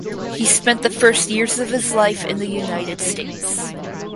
He spent the first years of his life in the United States.